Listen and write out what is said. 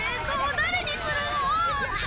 誰にするの？